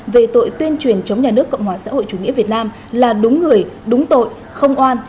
về tội tuyên truyền chống nhà nước cộng hòa xã hội chủ nghĩa việt nam là đúng người đúng tội không oan